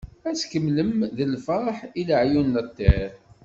Ad tkemlem deg lferḥ, i leɛyun n ṭṭir.